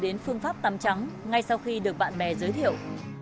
đã tìm đến phương pháp tắm trắng ngay sau khi được bạn bè giới thiệu